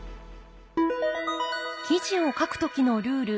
記事を書く時のルール